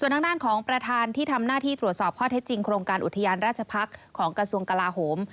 ทางด้านของประธานที่ทำหน้าที่ตรวจสอบข้อเท็จจริงโครงการอุทยานราชพักษ์ของกระทรวงกลาโหม